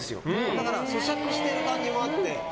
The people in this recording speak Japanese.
だから咀嚼してる感じもあって。